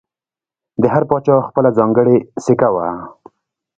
د هر پاچا خپله ځانګړې سکه وه